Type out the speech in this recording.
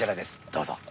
どうぞ。